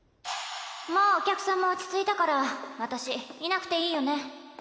もうお客さんも落ち着いたから私いなくていいよね？